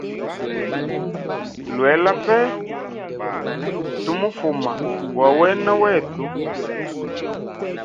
Lwela pe tu mufuma wa wena wetu.